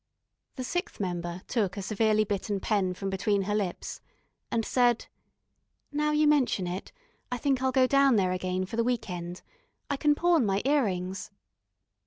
The sixth member took a severely bitten pen from between her lips, and said: "Now you mention it, I think I'll go down there again for the week end. I can pawn my ear rings."